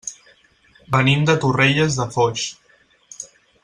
Venim de Torrelles de Foix.